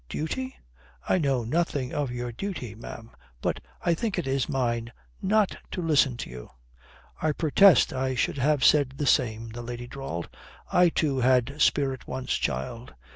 "Duty? I know nothing of your duty, ma'am. But I think it is mine not to listen to you." "I protest, I should have said the same," the lady drawled. "I too had spirit once, child.